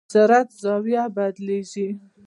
سرعت زاویه بدلېږي.